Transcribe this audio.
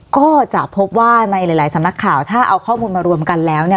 ก็จะพบว่าในหลายสำนักข่าวถ้าเอาข้อมูลมารวมกันแล้วเนี่ย